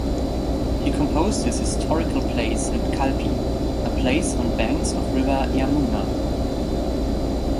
He composed his historical plays at 'Kalpi', a place on banks of river Yamuna.